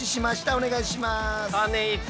お願いします。